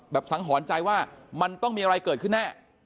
สังหรณ์ใจว่ามันต้องมีอะไรเกิดขึ้นแน่